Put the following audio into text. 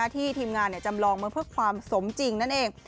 ทีมงานจำลองมาเพื่อความสมจริงนั่นเอง